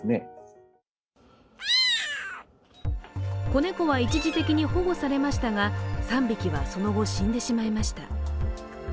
子猫は一時的に保護されましたが３匹はその後、死んでしまいました。